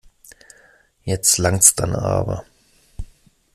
Jetzt langts dann aber.